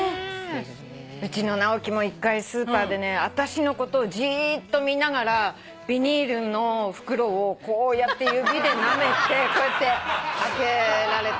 うちの直樹も１回スーパーでねあたしのことをじっと見ながらビニールの袋をこうやって指でなめて開けられたことがあったの。